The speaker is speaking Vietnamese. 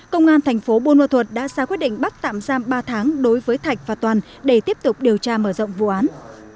công an thành phố buôn ma thuật đã ra quyết định bắt tạm giam ba tháng đối với thạch và toàn để tiếp tục điều tra mở rộng vụ án